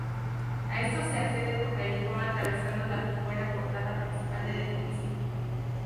A estos se accede por callejón atravesando la que fuera portada principal del edificio.